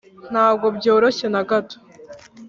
ntabwo byoroshye nagato,